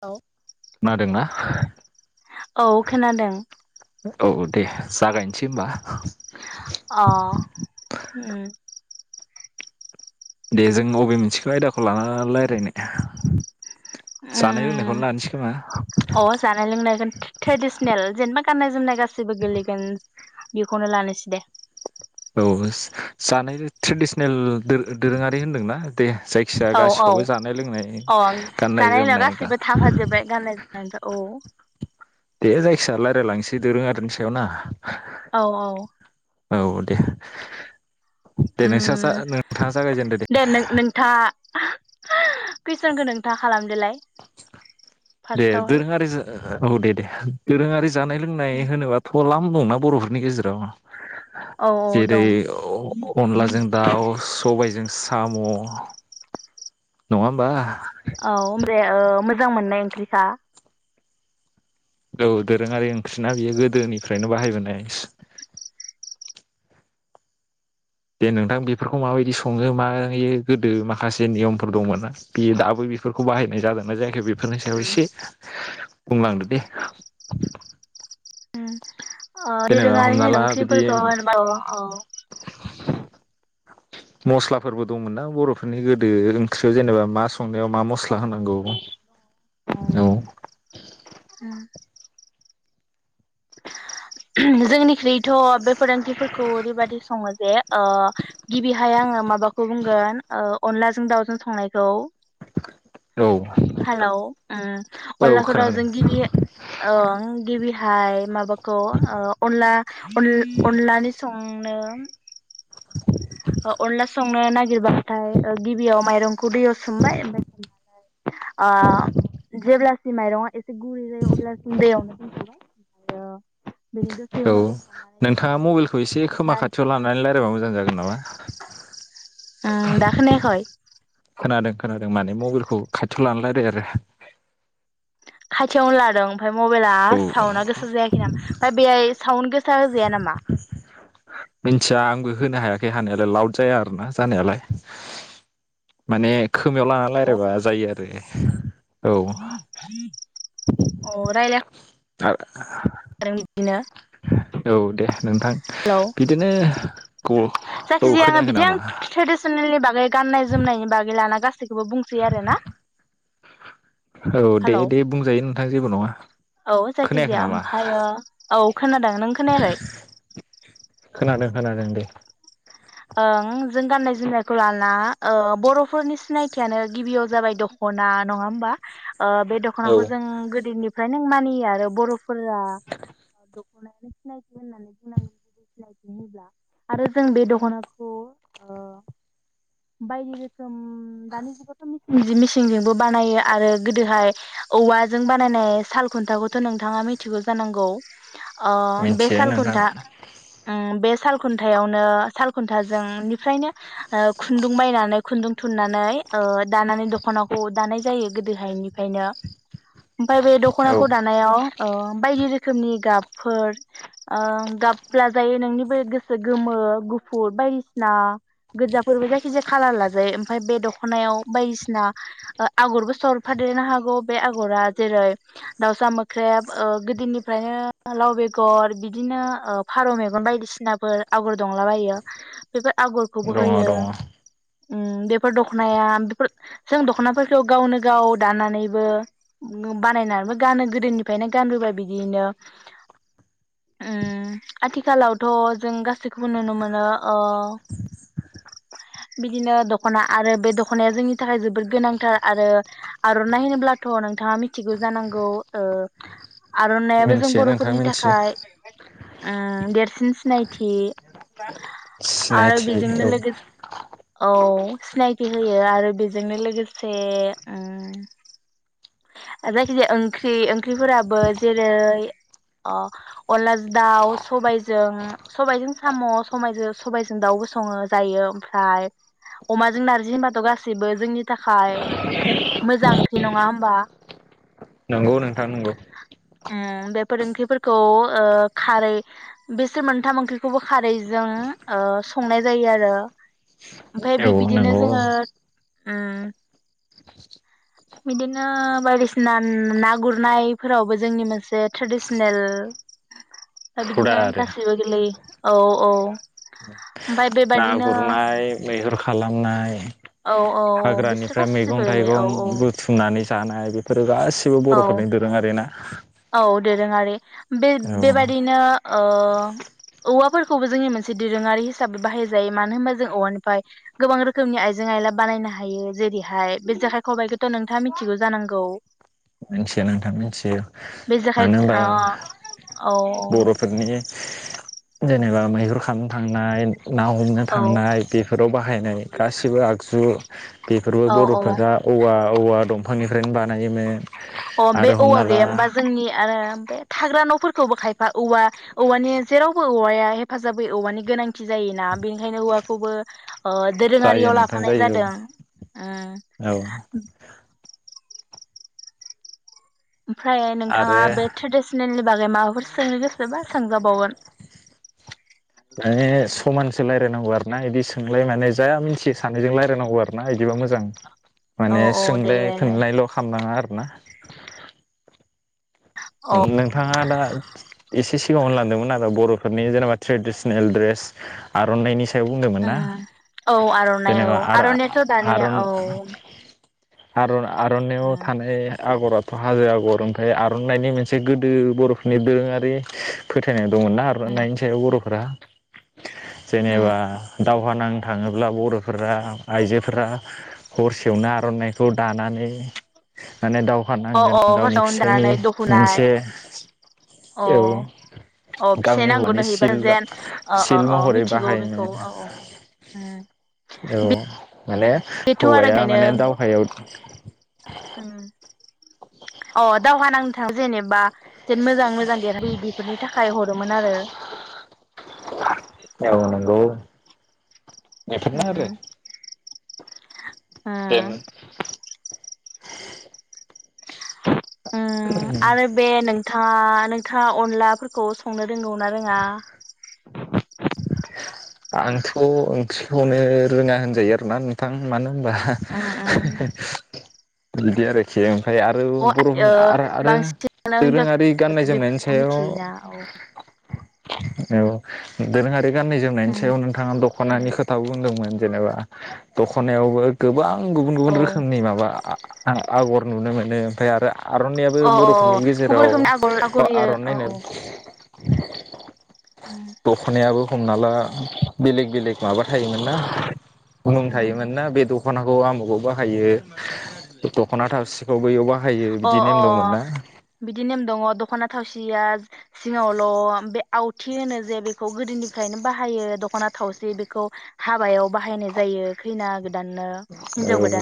[inaudible] औ खोनादोंना औ खोनादों औ दे जागायनोसै होनोमबा ओ ओम दे जों अबे मोनसेखौ आयदाखौ लानानै रायज्लायनो जानाय लोंनायखौनो लानोसै खोमा अ जानाय लोंनाखौनो ट्रेडिसनेल जेनेबा गाननाय जोमनाय गासैबो गोलैगोन बेखौनो लानोसै दे औ जानाय ट्रेडिसनेल दोरोंङारि होन्दोंना दे जायखिजाया औ औ गासिखौबो जानाय लोंनाय औ गाननाय जानाय लोंनायाव जोमनाय गासैबो थाफाजोब्बाय [unintelligible] औ दे जायखिजाया रायज्लायलांसै दोरोंङाआरोनि सायाव ना औ औ औ दे दे ओम नोंस्रा नोंथाङा जागायजेनदो दे नों नोंथा कुइसनखौ नोंथा खालामदोलाय दे फार्स्टआवहाय दोरोंङारि औ दे दे दोरोंङारि जानाय लोंनाय होनोब्लााथ लाम दंना बरफोरनि गेजेराव औ औ जेरै दं अनलाजों दाउ सबायजों साम नंङा होमबा औ मोजां मोननाय ओंख्रिखा औ दोरोंङारि ओंख्रिना बेयो गोदोनिफ्रायनो बाहायबोनाय दे नोंथां बेफोरखौ माबायदि संङो मायो गोदो माखासे नियमफोर दंमोन ना बे दाबो बेफोरखौ बाहायनाय जादोंना जायखि बेफोरनि सायाव उम एसे बुंलांदो दे जेनेबा दोरोंङारि हमना होन ला बिदि ओंख्रिफोरखौ [unintelligible] मस्लाफोरबो दंमोन ना बरफोरनि गोदो ओंख्रियाव जेनेबा मा संनायाव मा औ मस्ला होनांगौ दङ औ [unintelligible] जोंनिख्रुइ थ' बेफोर ओंख्रिफोरखौ ओरैबायदि सङो जे ओ गिबिहाय आङो माबाखौ बुंगोन ओ अनलाजों दाउजों संनायखौ औ हेलौ ओ औ अनलाखौ दा खोनादों जों गिबि ओं गिबि हाय माबा खौ ओ अनला अन-अनलानि सं आंनोम जोबा ओमफ्राय गिबियाव माइरं खौ दैयाव सोमबाय ओमफ्राय सोमनानै ओ जेब्लासिम माइरङा एसे गुरै जायो अब्लासिम दैयावनो [inaudible] ओम औ नोंथाङा मबाइलखौ एसे खोमा खाथियाव लानानै रायलायबा मोजां जागोन नामा ओं दा खोनायाखै खोनादों खोनादों माने मबाइलखौ खाथियाव लाना लायराय आरो खाथियावनो लादों ओमफ्राय मबाइला औ औ साउनआ गोसा जायाखै नामा ओमफ्राय बेहाय सावन गोस मिथिया आंबो होनो हाया खै हानायालाय लाउड जाया आरोना जानायालाय माने खोमायाव लाना लायरायबा जायो आरो औ अ रायलाय [unintelligible] औ दे नोंथां हेलौ बिदिनो औ औ जायखिजाया आङो खोनायाखै बिदि आं नामा? ट्रेडिसनेलनि बागै गाननाय जोमनायनि बागै [unintelligible] गासिखौबो बुंसै आरोना औ दे दे बुंजायो नोंथां जेबो नङा औ खोनायाखै जायखिजाया नामा ओमफायो औ खोनादों नों खोनायाखै? खोनादों खोनादों दे। ओं जों गाननाय जोमनायखौ लाला ओ बर'फोरनि सिनायथियानो गिबियाव जाबाय दख'ना नङा होमबा ओ बे औ दख'नाखौ जों गोदोनि फ्राय नों मानियो आरो बर' फोरा दख [inaudible] आरो जों बे दख'ना खौ ओ बायदि रोखोम दानि जुगावथ' मिसिं जि मिसिंजोंबो बानायो आरो गोदोहाय औवाजों बानायनाय साल खुन्थाखौथ' नोंथाङा मिथिगौ जानांगौ अ बे मिथियो साल नोंथां खुन्था ओम बे साल खुथनो साल खुन्थाजोंनिफ्रायनो खुन्दुं बायनानै खुन्दुं थुननानै ओ दानानै दख'नाखौ दानाय जायो गोदोहायनिफ्रायनो ओमफाय बे औ दख'नाखौ दानायाव ओ बायदि रोखोम रोखोमनि गाबफोर ओ गाब लाजायो जायो नोंनिबो गोसो गोमो गुफुुर बायदिसिना गोजाफोरबो जायखि जाया खालार लाजायो ओमफफ्राय बे दख'नायाव बायदिसिना आगरबो सरफादेरनो हागौ बे आग'रा जेरै दाउसा मोख्रेब गोदोनिफ्रायनो लाव बेगर बिदिनो फारौ मेगन बायदिसिनाफोर आगर दंलाबायो। बेफोर आगरखौबो दङ होयो दङ ओम बेफोर दख'नाया बेफोर जों दख'नाफोरखौ गावनो गाव दानानैबो बानायनानैबो गानो गोदोनिफ्रायनो गानबोबाय बिदियनो उम आथिखालावथ' जों गासैखौबो नुनो मोनो ओ बिदिनो दख'ना आरो बे दख'नाया जोंनि थाखाय जोबोद गोनांथार आरो आर'नाइ होनोब्लाथ' नोंथाङा मिथिगौ जानांगौ ओ आर'नायाबो जों मिथियो नोंथां बर'फोरनि मिथियो थाखाय उम देरसिन सिनायथि आरो सिनायथि बिजोंनो औ लोगोसे औ सिनायथि होयो आरो बेजोंनो लोगोसे उम जायखिजाया ओंख्रि ओंख्रिफोराबो जेरै ओ अनला दाउ सबायजों सबायजों साम' सबाइजों सबायजों दाउबो सङो जायो ओमफ्राय अमाजों नारजि होनबाथ' गासिबो जोंनि थाखाय मोजां ओंख्रि नङा होमबा औ नोंथां नंगौ उम बेफोर ओंख्रिफोरखौ खारै बेसोर मोनथाम ओंख्रिखौबो खारैजों ओ संनाय जायो आरो ओमफफ्राय बि औ बिदिनो नंगौ औ जोङो उम बिदिनो बायदिसिना ना गुरनायफोरावबो जोंनि मोनसे ट्रेडिसनेल दा हुदा बिदिनो आरो गासैबो गोलैयो औ औ ओमफ्राय ना बेबादिनो गुरनाय मैहुर खालामनाय औ औ बिसोर हाग्रानिफ्राय गासिबो मैगं गोलैयो थाइगं औ बुथुमनानै जानाय बे [unintelligible] गासिबो औ बर'फोरनि दोरोंआरि ना औ दोरोङारि बे औ बेबादिनो ओ औवाफोरखौबो जोंनि मोनसे दोरोङारि हिसाबै बाहायजायो मानो होनबा जों औवानिफ्राय गोबां रोखोमनि आइजें आयला बानायनो हायो जेरैहाय बे जेखाइ खबाइखौथ' नोंथाङा मिथिगौ जानांगौ मिथिया नोंथां मिसि बे जेखाइ मानो होनबा अ औ बर'फोरनि जेनेबा मैहुर खामनो थांनाय ना हमनो थांनाय बेफोराव बाहायनाय गासिबो आगजु [inaudible] बेफोरबो औ औ बर'फोरा औवा औवा दं दफांनिफ्रायनो बानायोमोन अ बे आरो औवा हमना ला गैया होमबा जोंनि आरो बे थाग्रा न'फोरखौबो खायफा औवा औवानि जेरावबो औवाया हेफाजाब होयो औवानि गोनांथि जायोना बेनिखायनो औवाखौबो अ जायो दोरोङारियाव नोंथां लाफानाय जायो जादों औ औ उम ओमफ्राय नोंथाङा आरो बे ट्रेडिसनेलनि बागै मा सोंनो गोसोबा सोंजाबावगोन रायलायनांगौ आर ना बिदि सोंलाय माने जा मिथियो सानैजों रायलायनांगौ आरो ना बिदिबा मोजां औ माने औ दे सोंलाय रायलाय फिननायल' खालामनाङा आरो ना औ नोंथाङा दा एसे सिगांआव होलांदोंमोन ना बर'फोरनि जेनेबा ट्रेदिसनेल द्रेस आरनायनि सायाव बुंदोंमोन ना औ आर'नाइ जेनेबा औ आरो आर'नायाथ' दानिया औ आरो आर'नायआव थानाय आगराथ' हाजो आगर ओमफ्राय आरो नायनि मोनसे गोदो बर'फोरनि दोरोङारि फोथायनाय दंमोन ना उम आरनायनि सायाव बर' फ्रा उम जेनेबा दावहा नांनो थाङोब्ला बर' फोर आइजोफोरा हरसेयावनो आर'नाइखौ दानानै माने दावहा अ नांगोन अ गावनि हरसायावनो फिसायनि दानानै दख'ना मोनसे अ औ अ फिसाइ गावनि हौवानि नांगौनो हैबा सिल जेन अ अ सिल अ महरै मिथिगौ बाहायनो बेखौ औ उम औ माने बेथ' आरो हौवाया गायनो माने दावहायाव उम अ दावहा नांनो थाङो जेनेबा जेन मोजां मोजां देरहाबोयो बेफोरनि थाखाय हरोमोन आरो औ नेथाफना आरो ओ देन आरो बे नों नोंथाङा नोंथाङा अनलाफोरखौ संनो रोंगौ ना रोङा आंथ' ओंख्रिखौनो रोङा होनजायो आरोना नोंथां मानो होनबा उम उम बिदि आरोखि आ आरो अ बर'फोर ओ आरो आरो बांसिनानो दोरोङारि हिनजावसासो गान्नाय जोमनायनि बेफोरखौ सायाव मिथियोना औ औ [inaudible] गाननाय जोमनायनि सायाव नोंथाङा दख'नानि खोथा बुंदोंमोन जेनेबा दख'नायावबो गोबां गुबुन गुबुन औ रोखोमनि माबा आं आगर नुनो मोनो ओमफ्राय आरो आर'नाइयाबो अ अ बर'फोरनि गुबुन गेजेराव रोखोमनि आगर आगर होयो औ आर'नाइनो औ दख'नायाबो हमना ला बेलेग बेलेग माबा थायोमोन ना मुं थायोमोन ना बे दख'ना औ बाहायो थावसिखौ [unintelligible] बैयाव बाहायो अ बिदि नेम अ दंमोन ना बिदि नेम दङ दख'ना थावसिया सिङावल' बे आवथि होनो जे बेखौ गोदोनिफ्रायनो बाहायो दख'ना थावसि बेखौ हाबायाव बाहायनाय जायो खैना [unintelligible] औ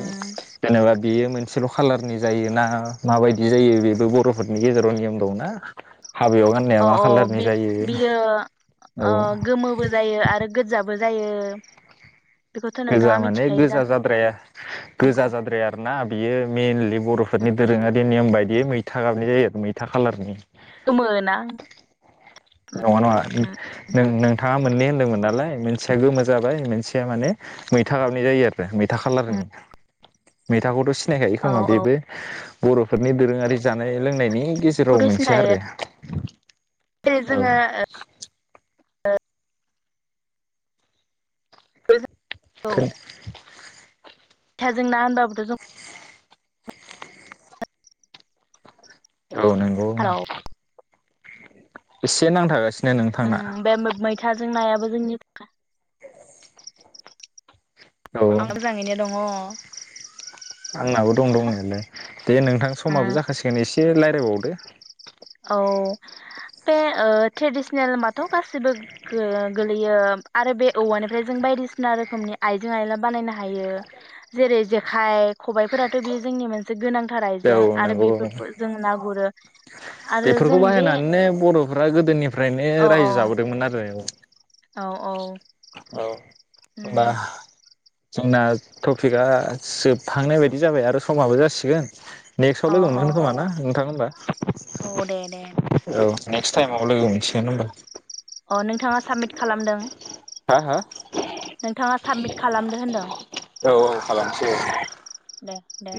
उम बेयो मोन एसेल' खाालारनि जायो ना माबायदि जायो बेबो बर'फोरनि गेजेराव नियम दंना। हाबायाव गाननाया अ मा अ खालारनि जायो बि-बियो औ ओ गोमोबो जायो आरो गोजाबो जायो। बेखौथ' गोजा नोंथाङा माने मिथिखायो गोजा जाद्राया गोजा जानांगौ जाद्राया आरो ना। बियो मइेनलि बर'फोरनि दोरोङारि नेम बायदिय मैथा गाबनाय जायो आरो मैथा खालारनि। गोमो ना नङा उम नङा नोंथाङा मोननै दोंमोन नालाय मोनसेया गोमा जाबाय मोनसेया माने मैथा गाबनाय जायो आरो। मैथा खालारनि। उम मिथाखौथ' सिनायखायो औ खोमा औ बेबो बर'फोरनि दोरोङारि जानाय लोंनायनि गेजेराव बेखौथ' मोनसे सिनायो आरो जेरै औ जोङो [unintelligible] [unintelligible] औ थाजों ना होनबाबोथ' जों औ नंगौ एसे नांथागासिनो नोंथांना उम बे मैथाजों नायाबो [unintelligible] औ आं मोजाङैनो दङ [inaudible] आंनाबो दं दंनायालाय दे नोंथां समाबो जाखासिगोन एसे रायज्लायबावद [inaudible] औ बे ओ ट्रेडिसनेल होनबाथ' गासिबो गोलैयो आरो बे औवानिफ्राय जों बायदिसिना रोखोमनि आइजें आइला बानायनो हायो जेरै जेखाइ खबाइफोराथ' बेयो जोंनि मोनसे गोनां थार आइजें औ आरो नंगौ बेफोरखौ जों ना गुरो। आरो जों बेफोरखौ बे बाहायनानैनो बर'फ्रा गोदोनिफ्रायनो औ औ रायजो जाबोदोंमोन आरो औ औ औ उम जोंना टपिकआ जोबहांनाय बायदि जाबाय आरो समाबो जासिगोन। [unintelligible] नेक्सआव औ लोगो औ मोनगोन खोमा ना नोंथां होनबा? औ दे दे औ नेक्स्ट टाइमाव लोगो मोनसिगोन होमबा। अ नोंथाङा साबमिट खालामदों हा हा नोंथाङा साबमिट खालामदो होनदों। [unintelligible] दे दे